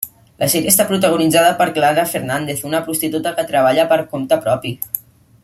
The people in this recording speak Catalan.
La sèrie està protagonitzada per Clara Fernández, una prostituta que treballa per compte propi.